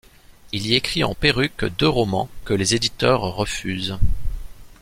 Il y écrit en perruque deux romans que les éditeurs refusent.